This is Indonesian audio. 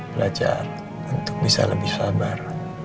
belajar untuk bisa lebih sabar